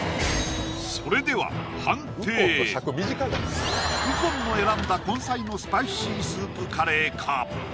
それでは右近の選んだ根菜のスパイシースープカレーか？